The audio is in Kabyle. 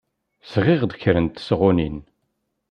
Sɣiɣ-d kra n tesɣunin.